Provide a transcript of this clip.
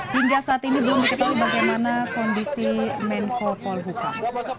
hingga saat ini belum diketahui bagaimana kondisi menko polhukam